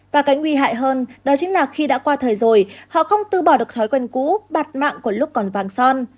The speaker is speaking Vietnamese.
và cái nguy hại hơn đó chính là khi đã qua thời rồi họ không tư bỏ được thói quen cũ bạt mạng của lúc còn vàng son